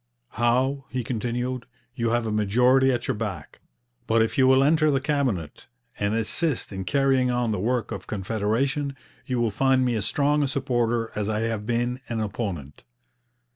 'Howe,' he continued, 'you have a majority at your back, but if you will enter the Cabinet and assist in carrying on the work of Confederation, you will find me as strong a supporter as I have been an opponent.'